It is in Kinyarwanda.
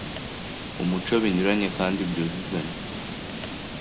umuco binyuranye kandi byuzuzanya.